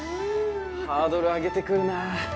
ハードル上げてくるなあ